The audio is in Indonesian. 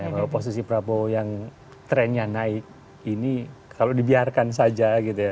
kalau posisi prabowo yang trennya naik ini kalau dibiarkan saja gitu ya